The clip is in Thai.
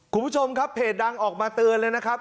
คุณผู้ชมครับเพจดังออกมาเตือนเลยนะครับ